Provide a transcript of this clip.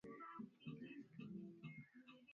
Mwaka wa elfu moja mia tisa ishirini na sita